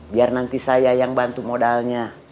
biar nanti saya yang bantu modalnya